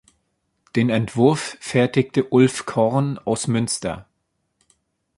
Den Entwurf fertigte Ulf Korn aus Münster.